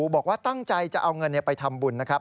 บอกว่าตั้งใจจะเอาเงินไปทำบุญนะครับ